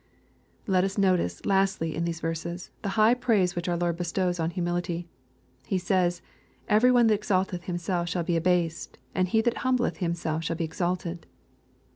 Let us notice, lasth^ in these verses, the high praise which our Lord bestows on humility. He says, " Every one that exalteth himself shall be abased, and he that humbleth himself shall be exalted."